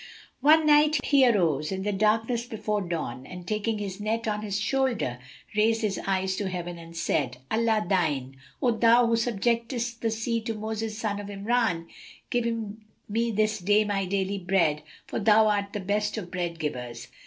One night he arose, in the darkness before dawn, and taking his net on his shoulder, raised his eyes to heaven and said, "Allah mine, O Thou who subjectedst the sea to Moses son of Imrán, give me this day my daily bread, for Thou art the best of bread givers!"